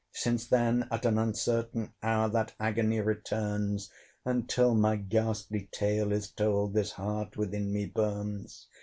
Since then, at an uncertain hour, That agony returns; And till my ghastly tale is told, This heart within me burns.